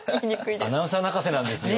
アナウンサー泣かせなんですよ。